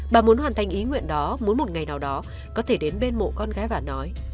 bà muốn hoàn thành ý nguyện đó muốn một ngày nào đó có thể đến bên mộ con gái và nói